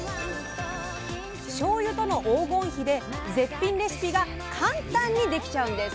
しょうゆとの黄金比で絶品レシピが簡単にできちゃうんです！